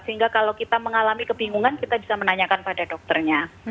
sehingga kalau kita mengalami kebingungan kita bisa menanyakan pada dokternya